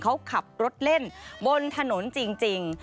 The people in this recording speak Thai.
เขาขับรถเล่นบนถนนจริง